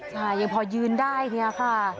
ใช่ยังพอยืนได้เพราะเนี้ยค่ะ